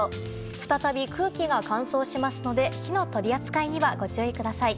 再び空気が乾燥しますので火の取り扱いにはご注意ください。